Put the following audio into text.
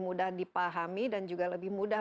mudah dipahami dan juga lebih mudah